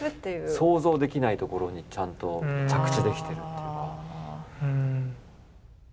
想像できないところにちゃんと着地できてるっていうか。